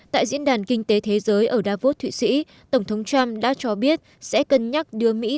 tại diễn đàn kinh tế thế giới ở davos thụy sĩ tổng thống trump đã cho biết sẽ cân nhắc đưa mỹ